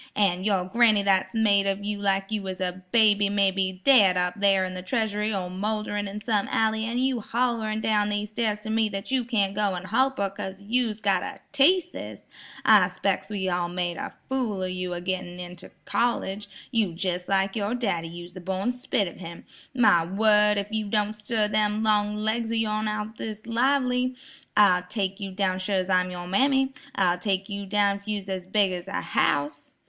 "An' your granny that's made of you like you was a baby may be daid up thar in the treasury or moulderin' in some alley an' you hollerin' down these stairs to me that you can't go an' holp her 'cause you's got a teaseus. I 'spec's we's all made a fool of you a gettin' you into college. You's jes' like yer daddy; you's the born spit of him. My word, if you don't stir them long legs o' yourn out o' this lively, I'll take you down sure's I'm yer mammy; I'll take yer down if you was as big as a house."